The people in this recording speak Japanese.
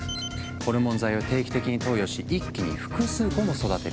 ホルモン剤を定期的に投与し一気に複数個も育てる。